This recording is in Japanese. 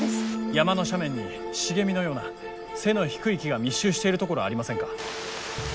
山の斜面に茂みのような背の低い木が密集しているところありませんか？